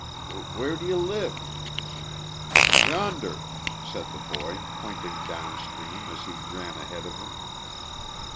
"Wh where d' ye live?" "Yender," said the boy, pointing downstream as he ran ahead of them.